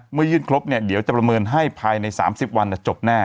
ยื่นครบเนี่ยเดี๋ยวจะประเมินให้ภายใน๓๐วันจบแน่